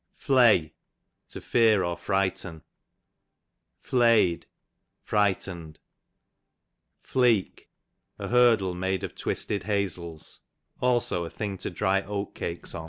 Flay, to fear, to frighten. Flay'd, frightened. Fleak, a hurdle made of twisted hazles ; aba a thing to dry oat cakes on.